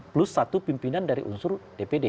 plus satu pimpinan dari unsur dpd